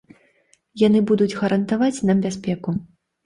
Яны будуць гарантаваць нам бяспеку.